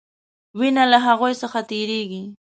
وینه له هغوي څخه تیریږي.